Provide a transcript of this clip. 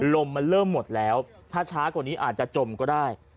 ลมมันเริ่มหมดแล้วถ้าช้ากว่านี้อาจจะจมก็ได้